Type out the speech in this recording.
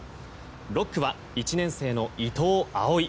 ６区は１年生の伊藤蒼唯。